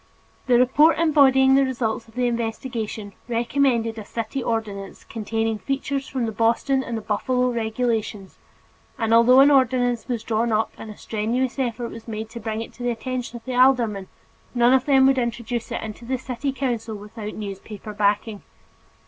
The report embodying the results of the investigation recommended a city ordinance containing features from the Boston and Buffalo regulations, and although an ordinance was drawn up and a strenuous effort was made to bring it to the attention of the aldermen, none of them would introduce it into the city council without newspaper backing.